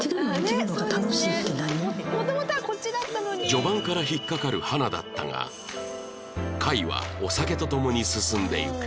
序盤から引っ掛かる花だったが会はお酒と共に進んでいく